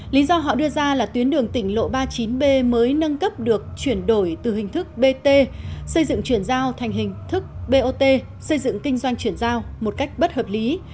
lý do họ đưa ra là tuyến đường tỉnh lộ ba mươi chín b mới nâng cấp được chuyển đổi từ hình thức bt xây dựng chuyển giao thành hình thức bot xây dựng kinh doanh chuyển giao một cách bất hợp lý